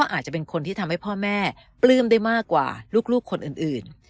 อาจจะเป็นคนที่ทำให้พ่อแม่ปลื้มได้มากกว่าลูกคนอื่น